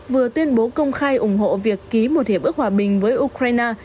vừa tuyên bố công khai ủng hộ việc ký một hiệp ước hòa bình với ukraine